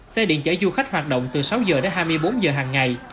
xe điện chở du khách hoạt động từ sáu giờ đến hai mươi bốn giờ hàng ngày